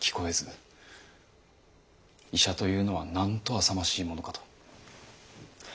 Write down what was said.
医者というのはなんとあさましいものかと。